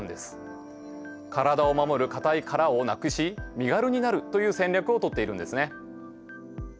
体を守る硬い殻をなくし身軽になるという戦略をとっているんですね。